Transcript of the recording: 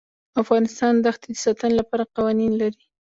افغانستان د ښتې د ساتنې لپاره قوانین لري.